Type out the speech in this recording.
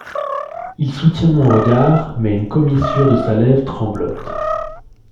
Il soutient mon regard, mais une commissure de sa lèvre tremblote.